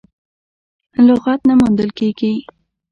لغت نه موندل کېږي.